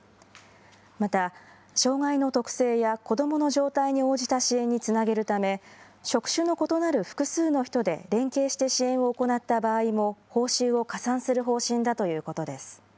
また、障害の特性や子どもの状態に応じた支援につなげるため、職種の異なる複数の人で連携して支援を行った場合も、報酬を加算する方針だということです。